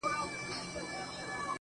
تا د جنگ لويه فلـسفه ماتــه كــړه,